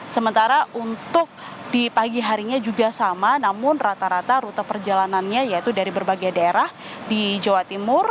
sementara untuk di pagi harinya juga sama namun rata rata rute perjalanannya yaitu dari berbagai daerah di jawa timur